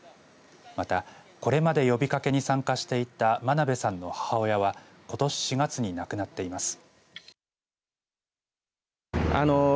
また、これまで呼びかけに参加していた真鍋さんの母親はことし４月に亡くなっています。